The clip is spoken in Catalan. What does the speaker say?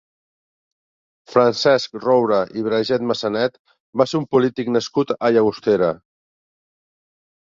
Francesc Roure i Brauget-Massanet va ser un polític nascut a Llagostera.